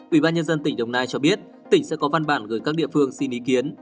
ủy ban nhân dân tỉnh đồng nai cho biết tỉnh sẽ có văn bản gửi các địa phương xin ý kiến